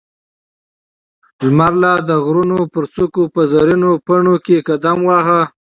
لمر لا د غرونو پر څوکو په زرينو پڼو کې قدم واهه.